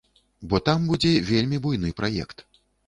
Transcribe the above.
Бо там будзе вельмі буйны праект.